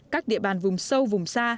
các địa bàn vùng sâu vùng xa